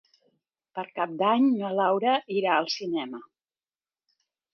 Per Cap d'Any na Laura irà al cinema.